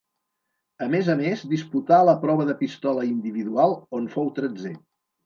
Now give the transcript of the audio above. A més a més disputà la prova de pistola individual, on fou tretzè.